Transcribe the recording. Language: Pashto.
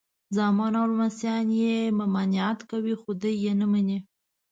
زامن او لمسیان یې ممانعت کوي خو دی یې نه مني.